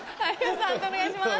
判定お願いします。